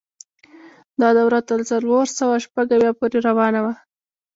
دا دوره تر څلور سوه شپږ اویا پورې روانه وه.